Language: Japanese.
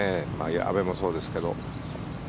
阿部もそうですけど。